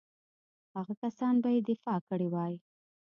ښه کسان به یې فارغ کړي وای.